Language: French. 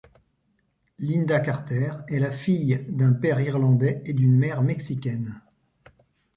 Lynda Carter est la fille d'un père irlandais et d'une mère mexicaine.